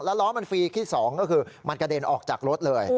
แล้วล้อมันฟรีที่๒ก็คือมันกระเด็นออกจากรถเลย